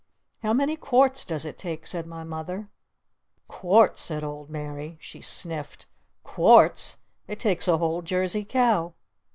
"How many quarts does it take?" said my Mother. "Quarts?" said Old Mary. She sniffed. "Quarts? It takes a whole Jersey cow!"